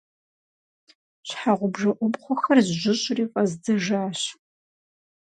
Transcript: Щхьэгъубжэ ӏупхъуэхэр зжьыщӏри фӏэздзэжащ.